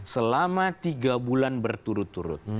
selama tiga bulan berturut turut